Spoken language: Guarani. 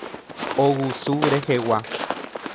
Ogusu rehegua.